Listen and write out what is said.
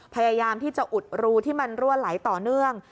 พยายามที่จะอุดรูที่มันรั่วไหลต่อเนื่อง